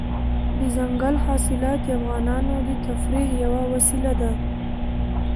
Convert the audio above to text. دځنګل حاصلات د افغانانو د تفریح یوه وسیله ده.